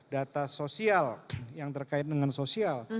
data sosial yang terkait dengan sosial